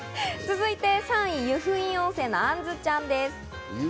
続いて３位、湯布院温泉のあんずちゃんです。